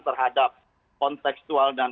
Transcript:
terhadap konteksual dan